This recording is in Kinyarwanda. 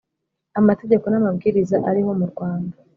amategeko n’amabwiriza ariho mu Rwanda